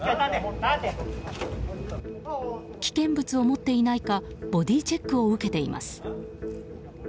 危険物を持っていないかボディーチェックを受けています。